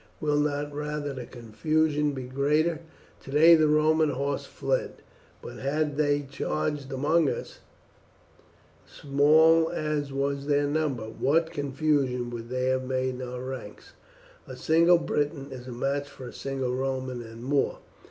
Will not rather the confusion be greater? Today the Roman horse fled; but had they charged among us, small as was their number, what confusion would they have made in our ranks! A single Briton is a match for a single Roman, and more.